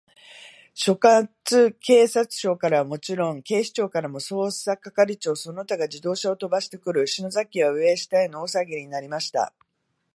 所轄警察署からはもちろん、警視庁からも、捜査係長その他が自動車をとばしてくる、篠崎家は、上を下への大さわぎになりました。